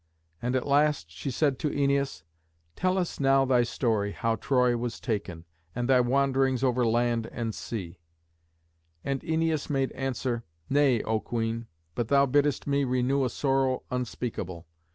And at last she said to Æneas, "Tell us now thy story, how Troy was taken, and thy wanderings over land and sea." And Æneas made answer, "Nay, O Queen, but thou biddest me renew a sorrow unspeakable.